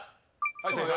はい正解。